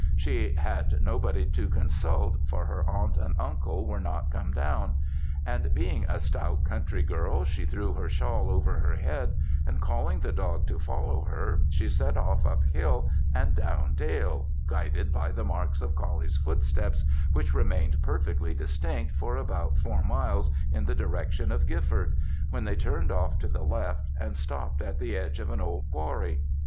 She had nobody to consult, for her aunt and uncle were not come down; and being a stout country girl, she threw her shawl over her head, and calling the dog to follow her, she set off up hill and down dale, guided by the marks of Coullie's footsteps which remained perfectly distinct for about four miles in the direction of Gifford, when they turned off to the left, and stopt at the edge of an old quarry.